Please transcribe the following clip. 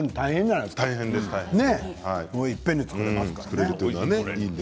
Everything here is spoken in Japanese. いっぺんに作れますからね。